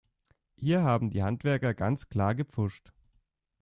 Hier haben die Handwerker ganz klar gepfuscht.